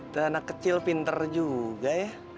dan anak kecil pinter juga